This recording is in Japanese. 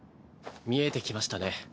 見えてきましたね